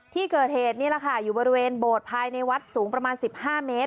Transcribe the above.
ที่เกิดเหตุนี่แหละค่ะอยู่บริเวณโบสถ์ภายในวัดสูงประมาณ๑๕เมตร